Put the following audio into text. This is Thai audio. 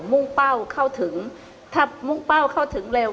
มุ่งเป้าเข้าถึงถ้ามุ่งเป้าเข้าถึงเร็ว